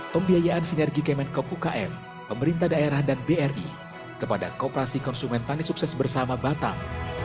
pembiayaan sinergi kemenkop ukm pemerintah daerah dan bri kepada koperasi konsumen tani sukses bersama batam